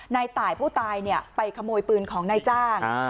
นายตายผู้ตายไปขโมยปืนของนายจ้าง